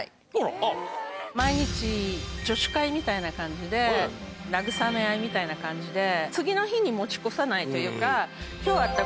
毎日女子会みたいな感じで慰め合いみたいな感じで次の日に持ち越さないというか。